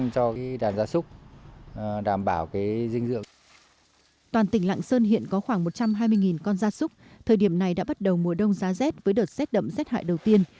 một trăm hai mươi con gia súc thời điểm này đã bắt đầu mùa đông giá rét với đợt rét đậm rét hại đầu tiên